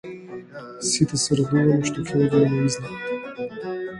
Сите се радуваме што ќе одиме на излет.